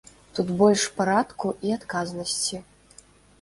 Тут больш парадку і адказнасці.